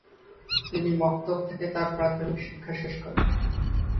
তিনি মক্তব থেকে তার প্রাথমিক শিক্ষা শেষ করেন।